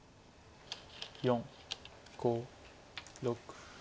４５６。